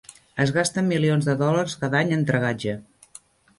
Es gasten milions de dòlars cada any en dragatge.